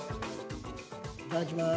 いただきます。